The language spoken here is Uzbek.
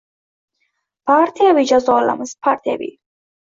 Partiyaviy jazo olamiz, partiyaviy!